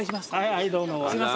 はいどうも。